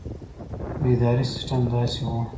د ادارې سسټم داسې وو.